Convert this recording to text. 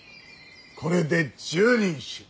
これで１０人衆。